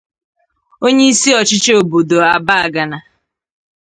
onyeisi ọchịchị obodo Abagana